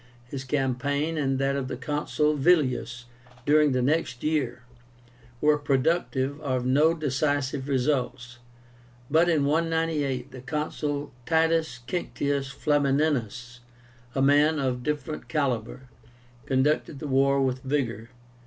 His campaign, and that of the Consul Villius during the next year, were productive of no decisive results, but in 198 the Consul TITUS QUINCTIUS FLAMINÍNUS, a man of different calibre, conducted the war with vigor.